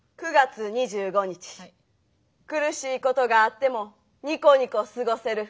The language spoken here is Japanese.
苦しいことがあってもニコニコ過ごせる。